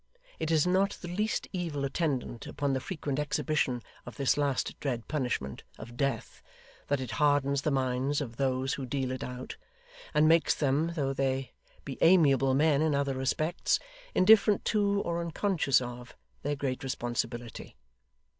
It is not the least evil attendant upon the frequent exhibition of this last dread punishment, of Death, that it hardens the minds of those who deal it out, and makes them, though they be amiable men in other respects, indifferent to, or unconscious of, their great responsibility.